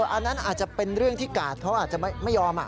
อันนั้นอาจจะเป็นเรื่องที่กาดเขาอาจจะไม่ยอม